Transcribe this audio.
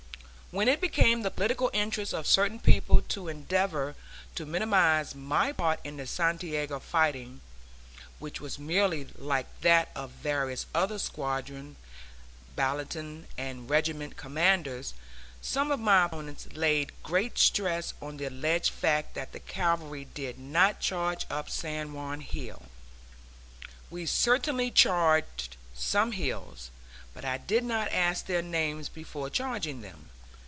When it became the political interest of certain people to endeavor to minimize my part in the Santiago fighting (which was merely like that of various other squadron, battalion and regimental commanders) some of my opponents laid great stress on the alleged fact that the cavalry did not charge up San Juan Hill. We certainly charged some hills; but I did not ask their names before charging them.